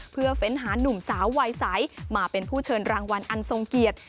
เพื่อเฟ้นหานุ่มสาววัยใสมาเป็นผู้เชิญรางวัลอันทรงเกียรติ